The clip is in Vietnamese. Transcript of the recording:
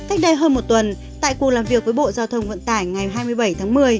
cách đây hơn một tuần tại cuộc làm việc với bộ giao thông vận tải ngày hai mươi bảy tháng một mươi